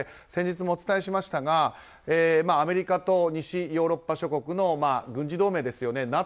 先日もお伝えしましたがアメリカと西ヨーロッパ諸国の軍事同盟ですよね。